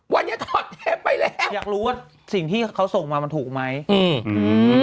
วันนี้ถอดเทปไปแล้วอยากรู้ว่าสิ่งที่เขาส่งมามันถูกไหมอืม